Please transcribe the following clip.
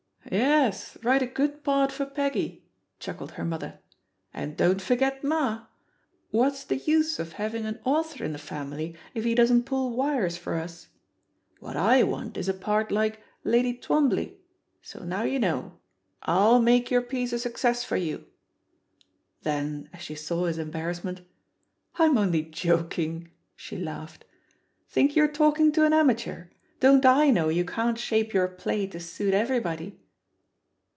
*Yes, write a good part for Peggy," chuckled her mother. "And don't forget Ma! What's the use of having an author in the family if he doesn't pull wires for us. What I want is a part like *Lady Twombley,' so now you know; FU make your piece a success for youl" Then, as she saw his embarrassment, "I'm only joking," she laughed. "Think you're talking to an am ateur? Don't I know you can't shape your play to suit everybody?"